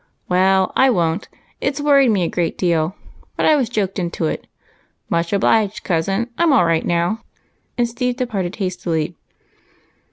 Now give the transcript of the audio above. " Well, I won't. It 's worried me a good deal, but i was joked into it. Much obliged, cousin, I'm all right now," and Steve departed hastily.